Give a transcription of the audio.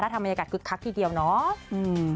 ถ้าทำมัยการคึกคักทีเดียวเนอะ